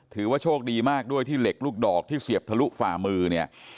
ถือว่าโชคดีมากด้วยที่เหล็กลูกดอกที่เสียบทะลุฝ่ามือเนี่ย